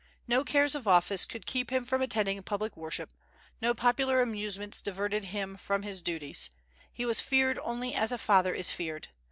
No cares of office could keep him from attending public worship; no popular amusements diverted him from his duties; he was feared only as a father is feared.